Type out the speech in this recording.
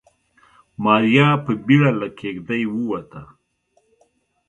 ماريا په بيړه له کېږدۍ ووته.